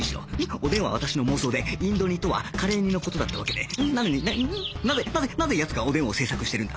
おでんは私の妄想でインド煮とはカレー煮の事だったわけでなのになぜなぜなぜ奴がおでんを制作してるんだ？